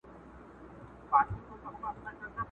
د دنیا له هر قدرت سره په جنګ یو.!